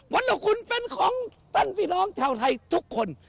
วันละคุณเป็นของท่านพี่น้องชาวไทยทุกคน